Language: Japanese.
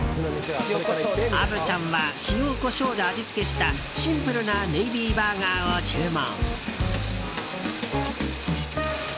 虻ちゃんは塩、コショウで味付けしたシンプルなネイビーバーガーを注文。